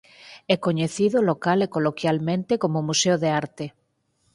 É coñecido local e coloquialmente como "O Museo de Arte".